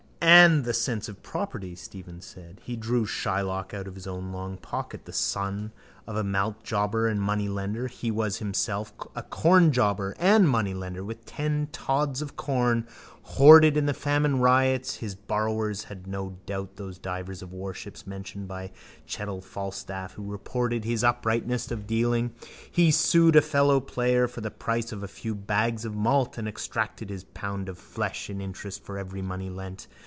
—And the sense of property, Stephen said. He drew Shylock out of his own long pocket. The son of a maltjobber and moneylender he was himself a cornjobber and moneylender, with ten tods of corn hoarded in the famine riots. His borrowers are no doubt those divers of worship mentioned by Chettle Falstaff who reported his uprightness of dealing. He sued a fellowplayer for the price of a few bags of malt and exacted his pound of flesh in interest for every money lent.